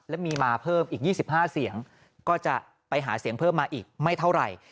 และมีมาเพิ่มอีก๒๕เสียงก็จะไปหาเสียงเพิ่มมาอีกไม่เท่าไหร่